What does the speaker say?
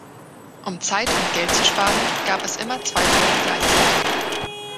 Um Zeit und Geld zu sparen, gab es immer zwei Folgen gleichzeitig.